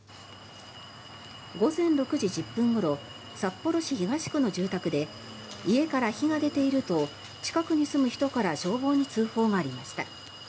午前６時１０分ごろ札幌市東区の住宅で家から火が出ていると近くに住む人から消防に通報がありました。